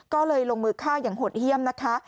ก็เลยลงมือฆ่าอย่างหดเยี่ยมนะคะ